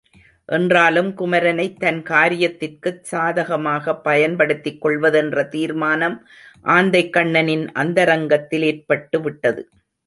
என்றாலும் குமரனைத் தன் காரியத்திற்குச் சாதகமாகப் பயன்படுத்திக் கொள்வதென்ற தீர்மானம் ஆந்தைக்கண்ணனின் அந்தரங்கத்தில் ஏற்பட்டுவிட்டது.